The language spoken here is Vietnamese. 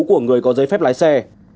của người có giấy phép lái xe